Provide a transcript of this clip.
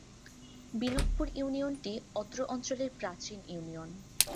বিনোদপুর ইউনিয়নটি অত্র অঞ্চলের প্রাচীন ইউনিয়ন।